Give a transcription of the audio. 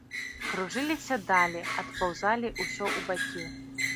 Кружыліся далі, адпаўзалі ўсё ў бакі.